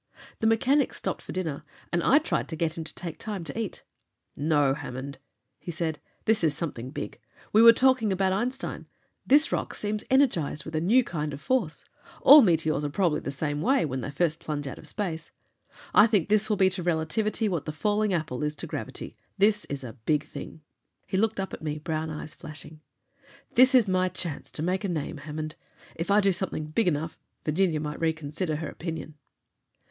The mechanics stopped for dinner, and I tried to get him to take time to eat. "No, Hammond," he said. "This is something big! We were talking about Einstein. This rock seems energized with a new kind of force: all meteors are probably the same way, when they first plunge out of space. I think this will be to relativity what the falling apple is to gravity. This is a big thing." He looked up at me, brown eyes flashing. "This is my chance to make a name, Hammond. If I do something big enough Virginia might reconsider her opinion."